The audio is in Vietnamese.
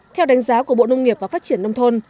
theo đánh giá của bộ nông nghiệp và phát triển nông thôn